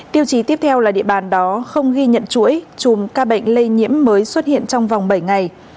tiêu chí tiếp theo là địa bàn đó không ghi nhận chuỗi chùm ca bệnh lây nhiễm mới xuất hiện trong vòng bảy ngày